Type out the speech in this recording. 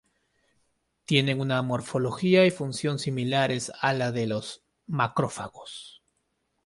Tienen una morfología y función similares a las de los macrófagos.